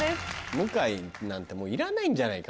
向井なんてもういらないんじゃないか。